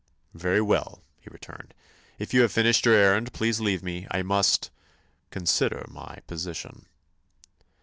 "Very well," he returned; "if you have finished your errand please leave me. I must—consider—my—position."